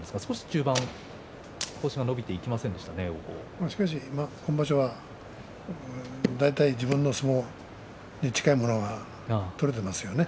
終盤、星が伸びていきませんで今場所は大体、自分の相撲に近いものが取れていますよね。